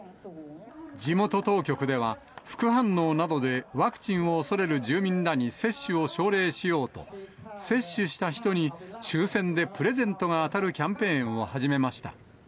地元当局では、副反応などでワクチンをおそれる住民らに接種を奨励しようと、接種した人に抽せんでプレゼントが当たるキャンペーンを始めました。